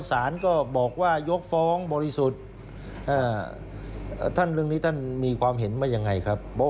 สารก็บอกว่ายกฟ้องบริสุทธิ์ท่านเรื่องนี้ท่านมีความเห็นว่ายังไงครับ